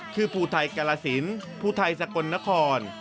คือภูไทยกรรศิลป์ภูไทยสกนคร